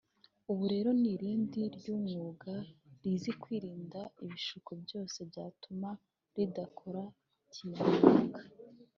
ubu rero ni irondo ry’umwuga rizi kwirinda ibishuko byose byatuma ridakora kinyamwuga